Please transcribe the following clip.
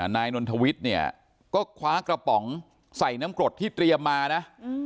นายนนทวิทย์เนี่ยก็คว้ากระป๋องใส่น้ำกรดที่เตรียมมานะ